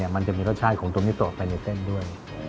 มันจะมีรสชาติของตัวนี้ต่อไปในเส้นด้วย